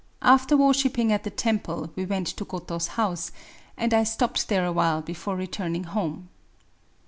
After worshipping at the temple, we went to Goto's house ; and I stopped there awhile before returning home.